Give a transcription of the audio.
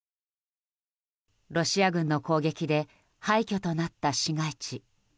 ロシア軍の攻撃で廃虚となった市街地。